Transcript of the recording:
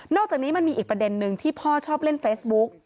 อกจากนี้มันมีอีกประเด็นนึงที่พ่อชอบเล่นเฟซบุ๊ก